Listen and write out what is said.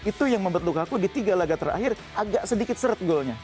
itu yang membuat lukaku di tiga laga terakhir agak sedikit seret goalnya